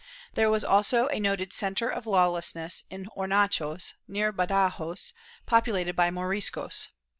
There was also a noted centre of lawlessness in Hornachos, near Badajos, populated by Moriscos.